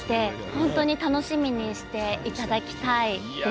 本当に楽しみにしていただきたいです。